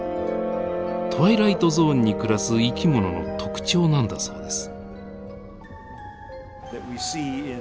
トワイライトゾーンに暮らす生き物の特徴なんだそうです。